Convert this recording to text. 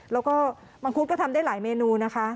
แล้วก็มังคุดก็ทำได้หลายเมนูนะคะ